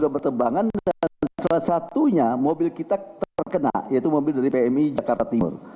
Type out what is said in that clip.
sudah bertembangan dan salah satunya mobil kita terkena yaitu mobil dari pmi jakarta timur